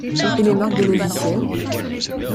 Et les marques de logiciels?